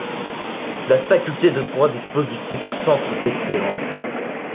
La Faculté de droit dispose du titre „centre d’excellence”.